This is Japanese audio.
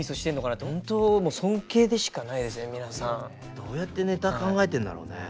どうやってネタ考えてんだろうね。